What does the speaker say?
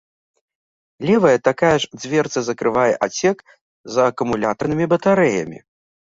Левая такая ж дзверцы закрывае адсек з акумулятарнымі батарэямі.